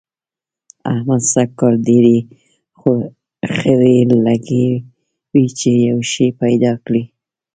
احمد سږ کال ډېرې خوې لګوي چي يو شی پيدا کړي.